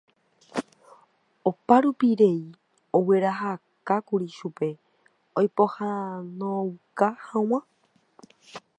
Oparupirei oguerahákuri chupe oipohánouka hag̃ua.